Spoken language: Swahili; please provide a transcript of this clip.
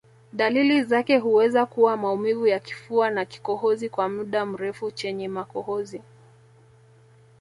Dalili zake huweza kuwa maumivu ya kifua na kikohozi cha muda mrefu chenye makohozi